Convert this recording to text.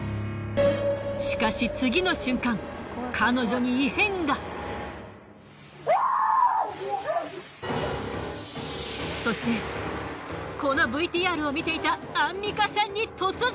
しかし次の瞬間そしてこのＶＴＲを見ていたアンミカさんに突然。